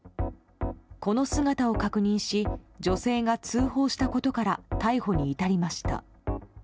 この姿を確認し女性が通報したことから逮捕に至りました。